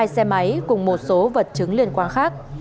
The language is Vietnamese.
hai xe máy cùng một số vật chứng liên quan khác